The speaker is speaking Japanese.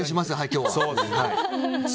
今日は。